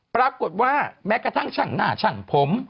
ปรากฏว่าแม้กระทั่งช่างหน้าช่างผม